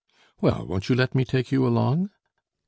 "Well, won't you let me take you along?"